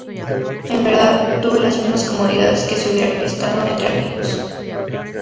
En verdad, tuve las mismas comodidades que si hubiera estado entre amigos...